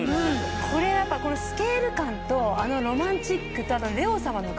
これはやっぱこのスケール感とあのロマンチックと。